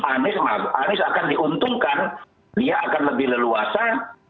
anies akan diuntungkan dia akan lebih leluasa